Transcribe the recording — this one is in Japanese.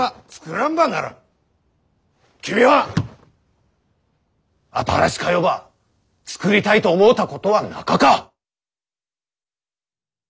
君は新しか世ば作りたいと思うたことはなかか？